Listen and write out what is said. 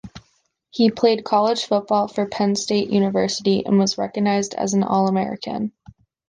He played college football for Penn State University, and was recognized as an All-American.